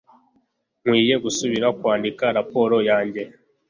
Nkwiye gusubira kwandika raporo yanjye